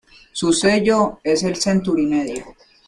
Su sello es el Century Media.